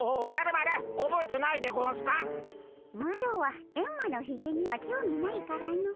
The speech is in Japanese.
マロはエンマのひげには興味ないからの。